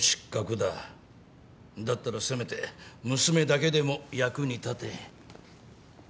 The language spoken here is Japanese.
だったらせめて娘だけでも役に立て。